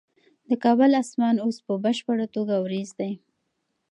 د کابل اسمان اوس په بشپړه توګه وریځ دی.